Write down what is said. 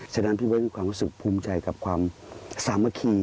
ฉะนั้นพี่เบิร์ดมีความรู้สึกภูมิใจกับความสามัคคี